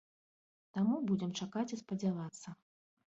Таму будзем чакаць і спадзявацца.